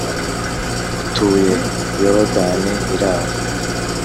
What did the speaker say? utuye Yorudani iraho